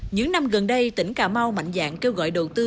những năm gần đây tỉnh cà mau mạnh dạng kêu gọi đầu tư